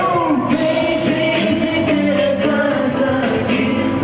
อู้วเบบี่มีเกลียดก่อนเธอเกลียด